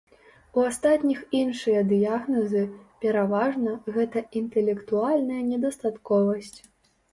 У астатніх іншыя дыягназы, пераважна, гэта інтэлектуальная недастатковасць.